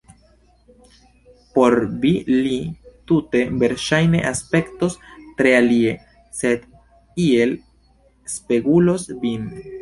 Por vi li tute verŝajne aspektos tre alie, sed iel spegulos vin.